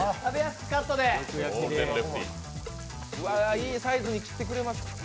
いいサイズに切ってくれました。